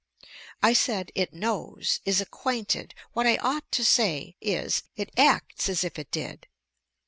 I said 'It knows; is acquainted'; what I ought to say is, 'It acts as if it did.'